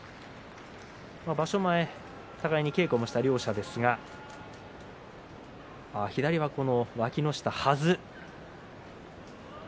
場所前互いに稽古をした両者ですが左は、わきの下、はず。